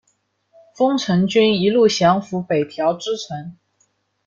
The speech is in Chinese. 丰臣军一路降伏北条支城。